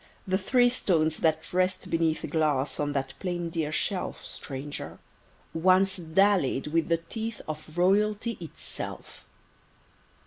the three stones that rest beneath Glass, on that plain deal shelf, Stranger, once dallied with the teeth Of Royalty itself.